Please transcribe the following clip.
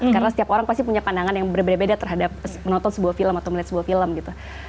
karena setiap orang pasti punya pandangan yang benar benar beda terhadap menonton sebuah film atau melihat sebuah film gitu